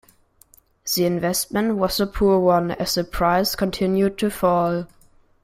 The investment was a poor one, as the price continued to fall.